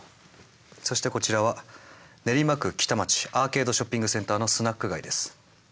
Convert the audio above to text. そしてこちらは練馬区北町アーケードショッピングセンターのスナック街です。